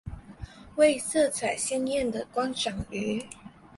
为色彩鲜艳的观赏鱼。